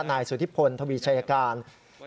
นายสุธิพลทวีชายการเปิดเผยนะครับ